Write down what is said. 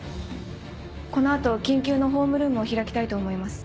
この後緊急のホームルームを開きたいと思います。